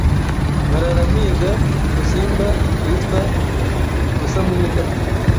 nkarara mpiga udusimbatwitwaudusamunyiga